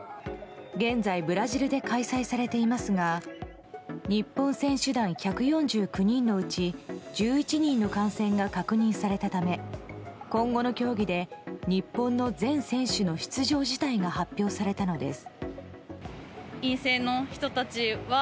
現在、ブラジルで開催されていますが日本選手団１４９人のうち１１人の感染が確認されたため今後の競技で日本の全選手の出場辞退が発表されたのです。